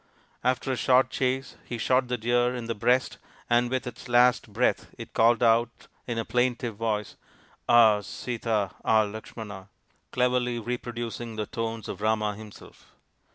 After a short chase he shot the deer in the breast and with its last breath it called out in a plaintive voice, " Ah, Sita ! Ah, Lakshmana !" cleverly reproducing the tones of Rama himself.